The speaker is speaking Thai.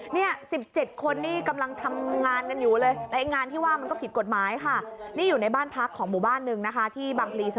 นี่๑๗คนนี่กำลังทำงานกันอยู่เลย